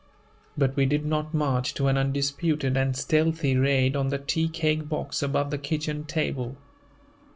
But we did not march to an undisputed and stealthy raid on the tea cake box above the kitchen table.